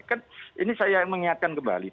kan ini saya mengingatkan kembali